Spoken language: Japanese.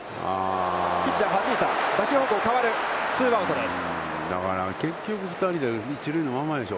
ツーアウトです。